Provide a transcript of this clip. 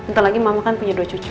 entah lagi mama kan punya dua cucu